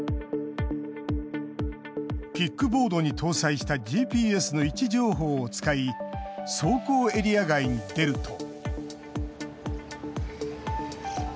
キックボードに搭載したＧＰＳの位置情報を使い走行エリア外に出ると。